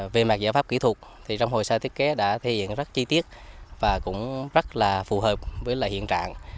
về mặt giải pháp kỹ thuật trong hồ sơ thiết kế đã thiết diện rất chi tiết và cũng rất là phù hợp với hiện trạng